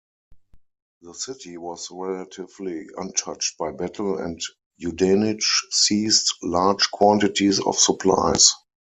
The city was relatively untouched by battle and Yudenich seized large quantities of supplies.